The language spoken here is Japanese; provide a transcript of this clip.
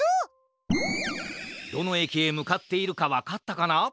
どのえきへむかっているかわかったかな？